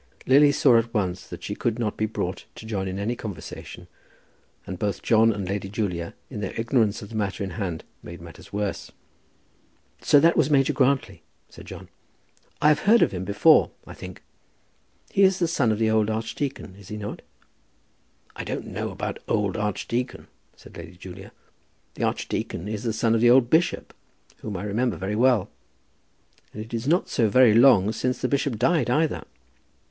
Lily saw at once that she could not be brought to join in any conversation, and both John and Lady Julia, in their ignorance of the matter in hand, made matters worse. "So that was Major Grantly?" said John. "I have heard of him before, I think. He is a son of the old archdeacon, is he not?" "I don't know about old archdeacon," said Lady Julia. "The archdeacon is the son of the old bishop, whom I remember very well. And it is not so very long since the bishop died, either."